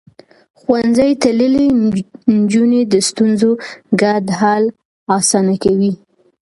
ښوونځی تللې نجونې د ستونزو ګډ حل اسانه کوي.